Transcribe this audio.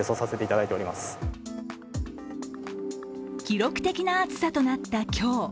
記録的な暑さとなった今日。